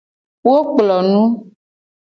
Wo kplo nu.